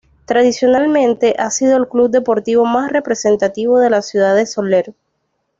Tradicionalmente ha sido el club deportivo más representativo de la Ciudad de Sóller.